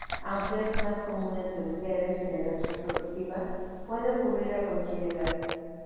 Aunque es más común entre mujeres en edad reproductiva, puede ocurrir a cualquier edad.